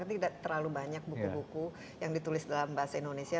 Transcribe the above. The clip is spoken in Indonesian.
tapi tidak terlalu banyak buku buku yang ditulis dalam bahasa indonesia